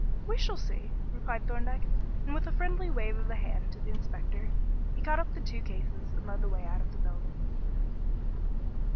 "We shall see," replied Thorndyke, and with a friendly wave of the hand to the inspector he caught up the two cases and led the way out of the building.